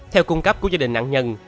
theo cung cấp của gia đình nạn nhân